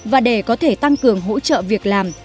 và để có thể tăng cường hỗ trợ việc làm